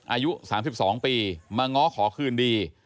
อายุ๓๒ปีมาง้อขอคืนดี